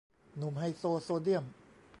หนุ่มไฮโซ โซเดียม